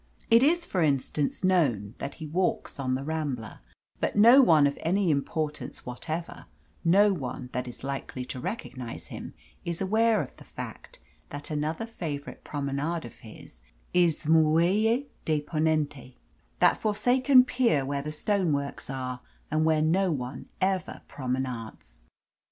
It is, for instance, known that he walks on the Rambla, but no one of any importance whatever, no one that is likely to recognise him, is aware of the fact that another favourite promenade of his is the Muelle de Ponente, that forsaken pier where the stone works are and where no one ever promenades.